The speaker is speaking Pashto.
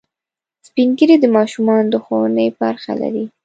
سپین ږیری د ماشومانو د ښوونې برخه لري